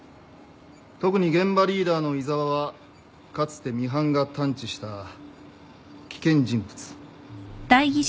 特に現場リーダーの井沢はかつてミハンが探知した危険人物。